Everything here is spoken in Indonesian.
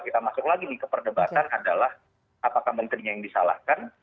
kita masuk lagi nih ke perdebatan adalah apakah menterinya yang disalahkan